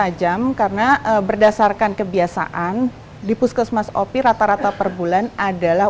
cukup tajam karena berdasarkan kebiasaan di puskesmas op rata rata perbulan adalah